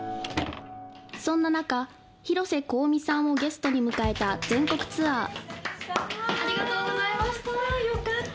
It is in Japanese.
そんな中広瀬香美さんをゲストに迎えた全国ツアーありがとうございました。